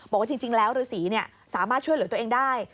บอกว่าจริงแล้วฤษีสามารถช่วยเหลือตัวเองได้